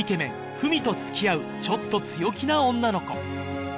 ふみと付き合うちょっと強気な女の子